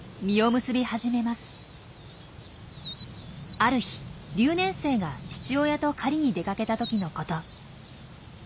ある日留年生が父親と狩りに出かけたときのこと。